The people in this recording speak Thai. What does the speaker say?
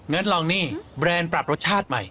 งั้นลองนี่แบรนด์ปรับรสชาติใหม่